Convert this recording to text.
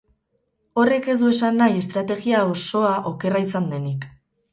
Horrek ez du esan nahi estrategia osoa okerra izan denik.